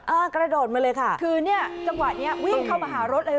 อ่ากระโดดมาเลยค่ะคือเนี่ยจังหวะเนี้ยวิ่งเข้ามาหารถเลย